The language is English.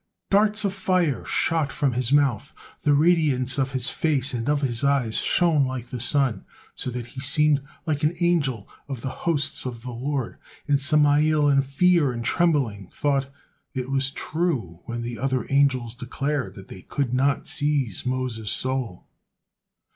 Dart of fire shot from his mouth, the radiance of his face and of his eyes shone like the sun, so that he seemed like an angel of the hosts of the Lord, and Samael in fear and trembling thought, "It was true when the other angels declared that they could not seize Moses' soul!"